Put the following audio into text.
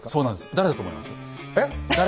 「誰だと思います」？